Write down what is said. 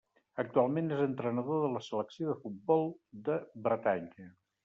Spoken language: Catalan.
Actualment és entrenador de la selecció de futbol de Bretanya.